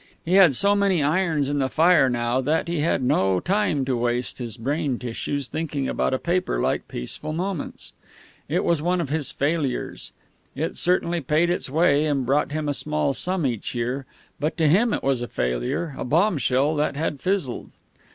He had so many irons in the fire now that he had no time to waste his brain tissues thinking about a paper like Peaceful Moments. It was one of his failures. It certainly paid its way and brought him a small sum each year, but to him it was a failure, a bombshell that had fizzled.